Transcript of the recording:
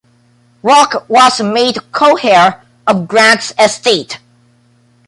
Roche was made co-heir of Grant's estate.